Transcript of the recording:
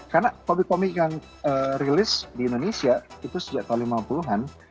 karena from the comic yang di rilis di indonesia itu sejak tahun lima puluh an